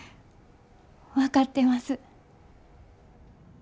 分かってます。